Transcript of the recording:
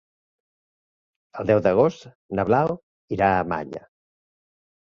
El deu d'agost na Blau irà a Malla.